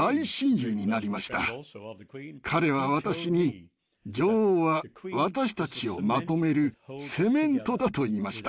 彼は私に女王は私たちをまとめるセメントだと言いました。